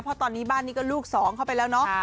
เพราะตอนนี้บ้านนี้ก็ลูกสองเข้าไปแล้วเนาะ